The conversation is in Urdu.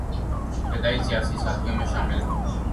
ابتدائی سیاسی ساتھیوں میں شامل